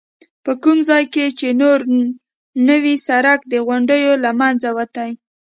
په کوم ځای کې چې نور نو سړک د غونډیو له منځه وتی.